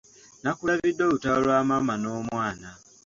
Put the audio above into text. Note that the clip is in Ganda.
Nakulabidde olutalo lwa maama n'omwana.